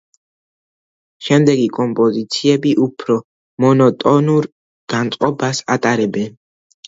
შემდეგი კომპოზიციები უფრო მონოტონურ განწყობას ატარებენ.